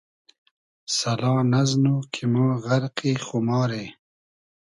سئلا نئزنو کی مۉ غئرقی خوماری